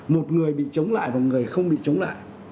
một người bị chống lại và người không bị chống lại